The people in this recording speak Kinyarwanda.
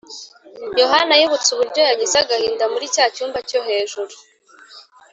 yohana yibutse uburyo yagize agahinda muri cya cyumba cyo hejuru